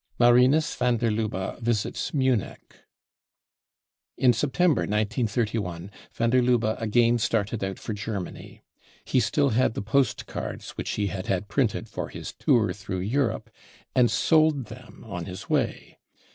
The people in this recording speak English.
55 1 Marinus van der Lubbe visits Munich. In September 1931 van der Lubbe again started out for Germany. He • still had the postcards which he had had printed for his " Tour through Europe," and sold them on his way.